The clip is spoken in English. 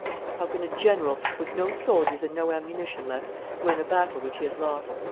How can a general, with no soldiers and no ammunition left, win a battle which he has lost?